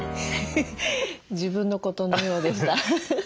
自分のことのようでした。